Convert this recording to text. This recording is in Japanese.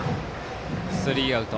スリーアウト。